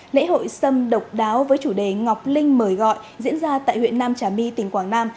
lễ hội sâm độc đáo với chủ đề ngọc linh mời gọi diễn ra tại huyện nam trà my tỉnh quảng nam